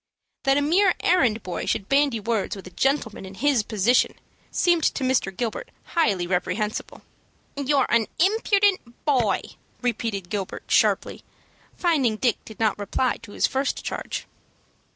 That a mere errand boy should bandy words with a gentleman in his position seemed to Mr. Gilbert highly reprehensible. "You're an impudent boy!" repeated Gilbert, sharply, finding Dick did not reply to his first charge.